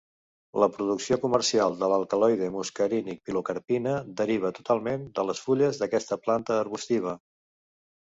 La producció comercial de l'alcaloide muscarínic pilocarpina deriva totalment de les fulles d'aquesta planta arbustiva.